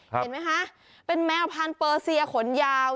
เห็นไหมคะเป็นแมวพันธุเปอร์เซียขนยาว